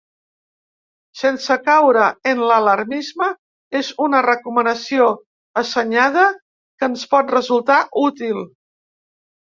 Sense caure en l’alarmisme, és una recomanació assenyada que ens pot resultar útil.